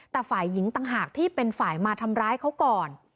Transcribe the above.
แต่ฝ่ายหญิงต่างหากที่เป็นฝ่ายมาทำร้ายเขาก่อน